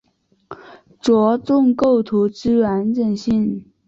着重构图之完整性